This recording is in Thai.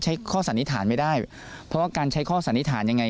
ข้อสันนิษฐานไม่ได้เพราะว่าการใช้ข้อสันนิษฐานยังไง